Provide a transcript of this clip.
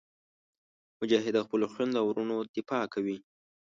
مجاهد د خپلو خویندو او وروڼو دفاع کوي.